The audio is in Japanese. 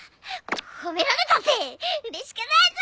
褒められたってうれしくねえぞ